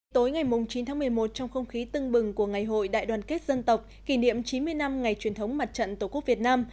tối ngày chín tháng một mươi một trong không khí tưng bừng của ngày hội đại đoàn kết dân tộc kỷ niệm chín mươi năm ngày truyền thống mặt trận tổ quốc việt nam